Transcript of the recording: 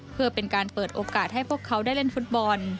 เพื่อเป็นการเปิดโอกาสให้พวกเขาได้เล่นฟุตบอล